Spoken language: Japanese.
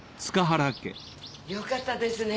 よかったですね